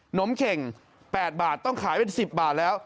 มเข่ง๘บาทต้องขายเป็น๑๐บาทแล้ว